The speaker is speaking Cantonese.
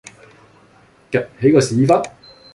趷起個屎忽